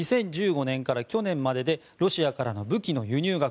２０１５年から去年まででロシアからの武器の輸入額